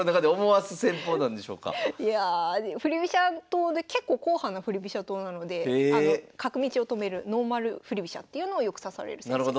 党で結構硬派な振り飛車党なので角道を止めるノーマル振り飛車っていうのをよく指される先生で。